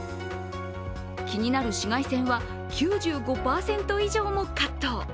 気になる紫外線は９５％以上もカット。